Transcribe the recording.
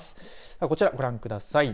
こちらご覧ください。